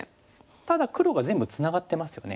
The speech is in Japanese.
ただ黒が全部ツナがってますよね。